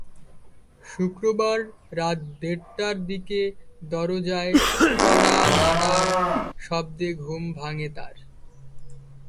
শুক্রবার রাত দেড়টার দিকে দরজায় কড়া নাড়ার শব্দে ঘুম ভাঙে তার।